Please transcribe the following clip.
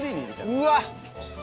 うわっ！